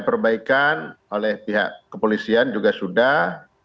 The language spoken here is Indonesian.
perbaikan oleh pihak kepolisian juga sudah